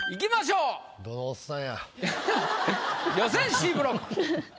うん。